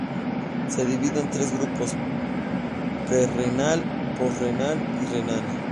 Se divide en tres grupos: pre-renal, post-renal y renal.